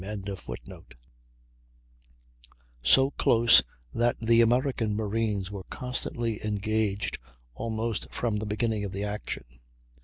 ] so close that the American marines were constantly engaged almost from the beginning of the action.